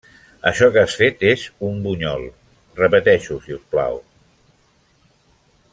Això que has fet és un bunyol. Repeteix-ho, si us plau.